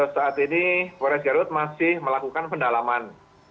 saat ini polres garut masih melakukan pendalaman